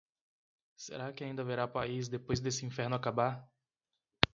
Será que ainda haverá país depois desse inferno acabar?